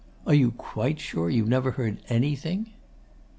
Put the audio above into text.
Are you quite sure you never heard anything?